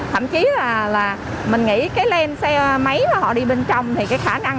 thậm chí là mình nghĩ cái len xe máy mà họ đi bên trong thì cái khả năng